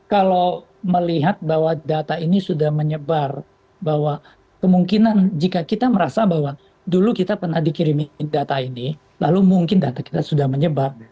kalau melihat bahwa data ini sudah menyebar bahwa kemungkinan jika kita merasa bahwa dulu kita pernah dikirimin data ini lalu mungkin data kita sudah menyebar